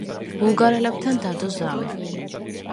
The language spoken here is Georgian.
ბულგარელებთან დადო ზავი.